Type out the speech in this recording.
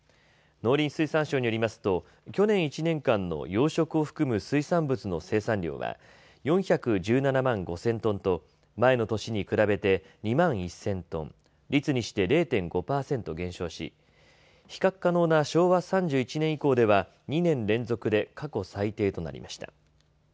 農林水産省によりますと去年１年間の養殖を含む水産物の生産量は４１７万５０００トンと前の年に比べて２万１０００トン、率にして０．５％減少し、比較可能な昭和３１年以降では２年連続で過去最低となりました。